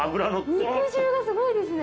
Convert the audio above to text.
肉汁がすごいですね！